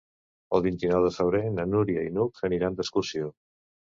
El vint-i-nou de febrer na Núria i n'Hug aniran d'excursió.